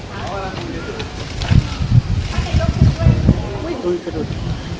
สวัสดีครับสวัสดีครับ